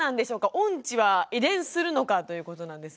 音痴は遺伝するのかということなんですが。